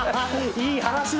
いい話だ！